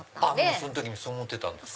その時にそう思ってたんですか？